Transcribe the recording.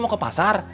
mau ke pasar